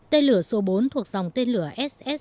tên lửa số bốn thuộc dòng tên lửa ss năm trăm năm mươi bảy